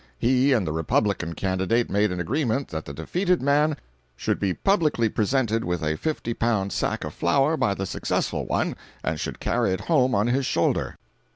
He and the Republican candidate made an agreement that the defeated man should be publicly presented with a fifty pound sack of flour by the successful one, and should carry it home on his shoulder.